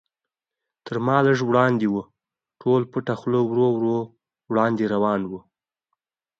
تر ما لږ وړاندې و، ټول پټه خوله ورو ورو وړاندې روان و.